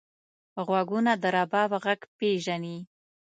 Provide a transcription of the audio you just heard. غوږونه د رباب غږ پېژني